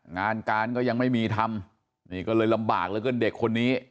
งานการก็ยังไม่มีทำนี่ก็เลยลำบากเหลือเกินเด็กคนนี้